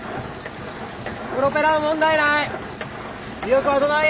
プロペラも問題ない！